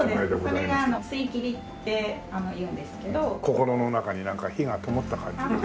心の中になんか火がともった感じが。